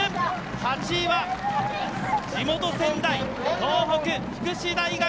８位は地元・仙台、東北福祉大学！